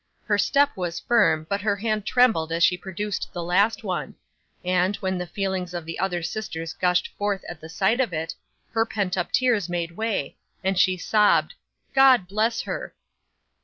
Her step was firm, but her hand trembled as she produced the last one; and, when the feelings of the other sisters gushed forth at sight of it, her pent up tears made way, and she sobbed "God bless her!"